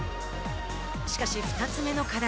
しかし、２つ目の課題。